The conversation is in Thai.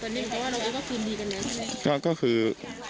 ตอนนี้เหมือนกับว่าเราก็คุณดีกันเลย